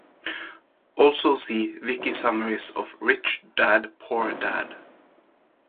Also see WikiSummaries of Rich Dad Poor Dad.